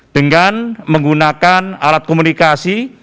dengan menggunakan alat komunikasi